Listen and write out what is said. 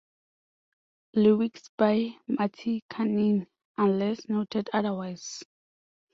Lyrics by Martikainen unless noted otherwise.